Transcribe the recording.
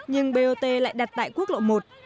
nhưng bot lại đặt tại quốc lộ một